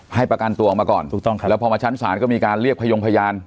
ให้ประกันตัวออกมาก่อนถูกต้องครับแล้วพอมาชั้นศาลก็มีการเรียกพยงพยาน